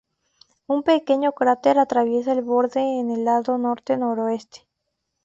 Un pequeño cráter atraviesa el borde en el lado norte-noreste.